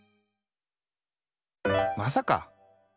まさか！